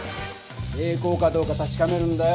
平行かどうかたしかめるんだよ。